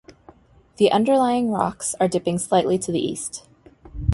The underlying rocks are dipping slightly to the east.